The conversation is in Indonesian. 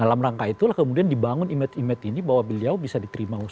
dalam rangka itulah kemudian dibangun image image ini bahwa beliau bisa diterima